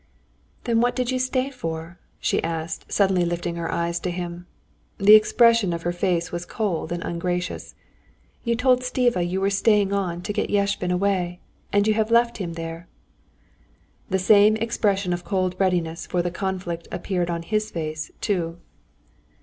"Then what did you stay for?" she asked, suddenly lifting her eyes to him. The expression of her face was cold and ungracious. "You told Stiva you were staying on to get Yashvin away. And you have left him there." The same expression of cold readiness for the conflict appeared on his face too.